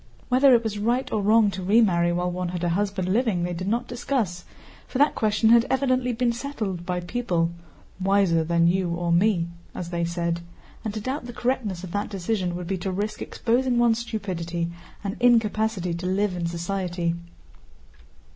Whether it was right or wrong to remarry while one had a husband living they did not discuss, for that question had evidently been settled by people "wiser than you or me," as they said, and to doubt the correctness of that decision would be to risk exposing one's stupidity and incapacity to live in society.